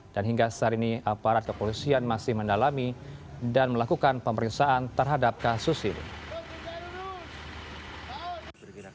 dan hingga sehari ini aparat kepolisian masih mendalami dan melakukan pemeriksaan terhadap kasus ini